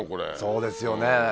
そうですよね。